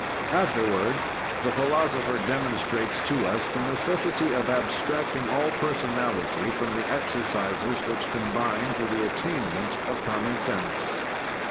Afterward the philosopher demonstrates to us the necessity of abstracting all personality from the exercises which combine for the attainment of common sense.